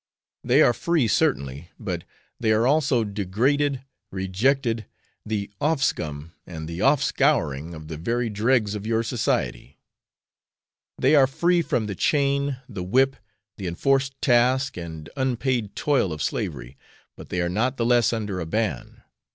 They are free certainly, but they are also degraded, rejected, the offscum and the offscouring of the very dregs of your society; they are free from the chain, the whip, the enforced task and unpaid toil of slavery; but they are not the less under a ban.